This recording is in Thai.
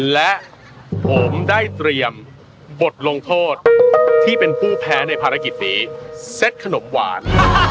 และผมได้เตรียมบทลงโทษที่เป็นผู้แพ้ในภารกิจนี้เซ็ตขนมหวาน